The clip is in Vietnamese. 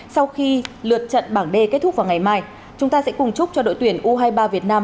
sau khi lượt trận bảng d kết thúc vào ngày mai chúng ta sẽ cùng chúc cho đội tuyển u hai mươi ba việt nam